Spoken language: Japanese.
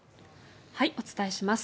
お伝えします。